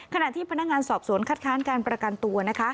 ขณะที่พนักงานสอบสวนคัดค้านการประกันตัวนะคะ